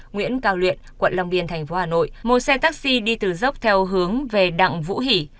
nguyễn cao luyện quận lòng điên tp hà nội một xe taxi đi từ dốc theo hướng về đặng vũ hỷ